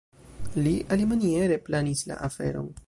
Li alimaniere planis la aferon.